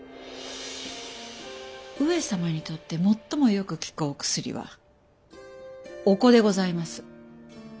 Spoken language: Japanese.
上様にとってもっともよく効くお薬はお子でございます。